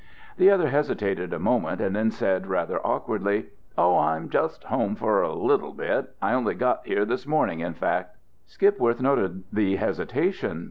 The other hesitated a moment, and then said rather awkwardly, "Oh, I'm just home for a little while; I only got here this morning, in fact." Skipworth note the hesitation.